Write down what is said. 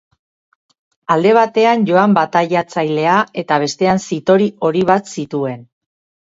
Alde batean Joan Bataiatzailea eta bestean zitori hori bat zituen.